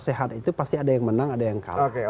sehat itu pasti ada yang menang ada yang kalah